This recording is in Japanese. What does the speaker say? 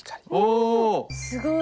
おすごい。